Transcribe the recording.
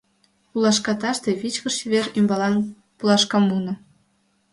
Пулашкаште — вичкыж чевер ӱмбалан пулашкамуно.